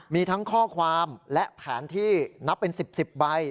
มีทั้งข้อความและแผนที่นับเป็น๑๐๑๐ใบ